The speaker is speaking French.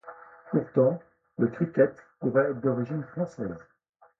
Pourtant le cricket pourrait être d'origine française.